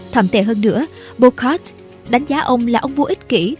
thậm tệ hơn nữa bocart đánh giá ông là ông vua ích kỷ